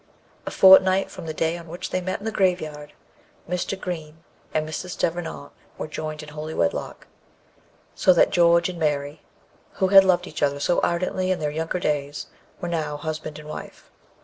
A fortnight from the day on which they met in the grave yard, Mr. Green and Mrs. Devenant were joined in holy wedlock; so that George and Mary, who had loved each other so ardently in their younger days, were now husband and wife.